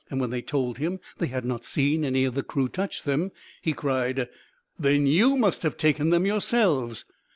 When they told him they had not seen any of the crew touch them, he cried, "Then you must have taken them yourselves!"